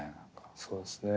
そうですね